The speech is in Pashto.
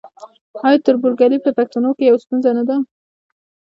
آیا تربورګلوي په پښتنو کې یوه ستونزه نه ده؟